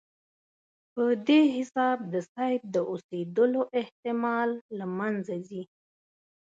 په دې حساب د سید د اوسېدلو احتمال له منځه ځي.